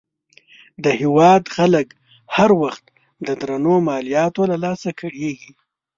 د هېواد خلک هر وخت د درنو مالیاتو له لاسه کړېږي.